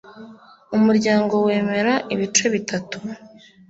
Umuryango wemera ibice bitatu